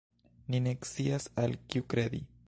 Ni ne scias, al kiu kredi.